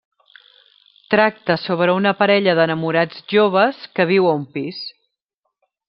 Tracta sobre una parella d'enamorats joves que viu a un pis.